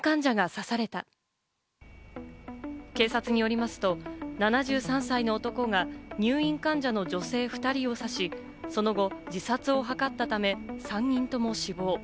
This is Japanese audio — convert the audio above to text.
警察によりますと、７３歳の男が入院患者の女性２人を刺し、その後、自殺を図ったため、３人とも死亡。